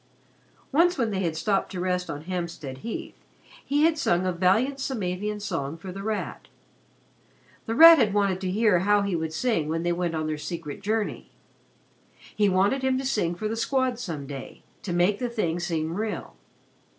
Once when they had stopped to rest on Hampstead Heath, he had sung a valiant Samavian song for The Rat. The Rat had wanted to hear how he would sing when they went on their secret journey. He wanted him to sing for the Squad some day, to make the thing seem real.